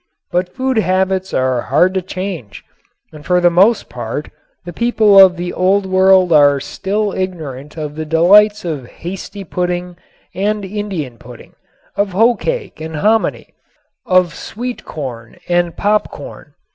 But food habits are hard to change and for the most part the people of the Old World are still ignorant of the delights of hasty pudding and Indian pudding, of hoe cake and hominy, of sweet corn and popcorn.